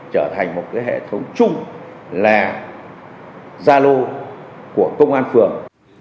trở thành một hệ thống chung là gia lô của công an phường